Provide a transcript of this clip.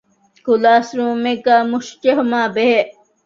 ކްލާސްރޫމެއްގައި މުށިޖެހުމާބެހޭ